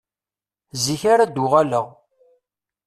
Zik ara d-uɣeleɣ.